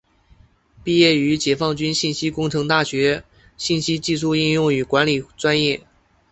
毕业于解放军信息工程大学信息技术应用与管理专业。